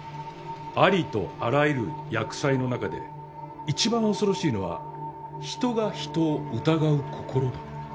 ありとあらゆる厄災の中で一番恐ろしいのは人が人を疑う心だ。